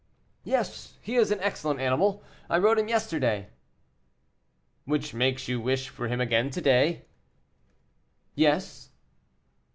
"Yes, he is an excellent animal; I rode him yesterday." "Which makes you wish for him again to day?" "Yes."